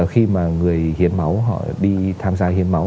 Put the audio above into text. khi mà người hiến máu họ đi tham gia hiến máu